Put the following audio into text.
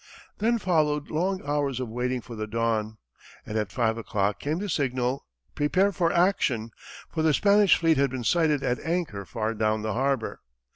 Then followed long hours of waiting for the dawn, and at five o'clock came the signal, "Prepare for action," for the Spanish fleet had been sighted at anchor far down the harbor.